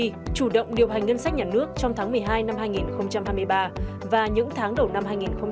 kỳ chủ động điều hành ngân sách nhà nước trong tháng một mươi hai năm hai nghìn hai mươi ba và những tháng đầu năm hai nghìn hai mươi bốn